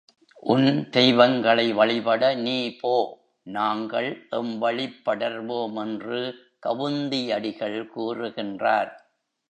உன் தெய்வங்களை வழிபட நீ போ நாங்கள் எம் வழிப் படர்வோம் என்று கவுந்தி அடிகள் கூறுகின்றார்.